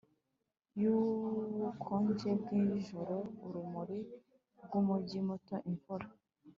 yubukonje bwijoro urumuri rwumujyi muto imvura